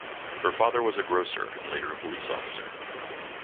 Her father was a grocer and later a police officer.